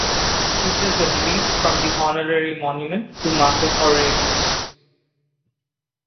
Features the relief from the honorary monument to Marcus Aurelius.